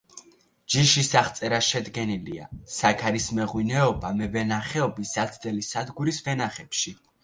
ჯიშის აღწერა შედგენილია საქარის მეღვინეობა მევენახეობის საცდელი სადგურის ვენახებში.